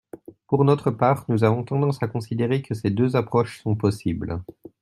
Pour notre part, nous avons tendance à considérer que ces deux approches sont possibles.